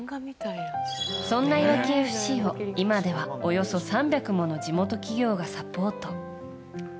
そんないわきＦＣを今ではおよそ３００もの地元企業がサポート。